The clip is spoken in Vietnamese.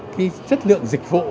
cái chất lượng dịch vụ